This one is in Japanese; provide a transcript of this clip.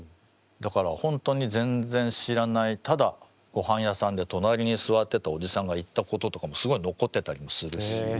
だから本当に全然知らないただごはん屋さんで隣に座ってたおじさんが言ったこととかもすごい残ってたりもするし。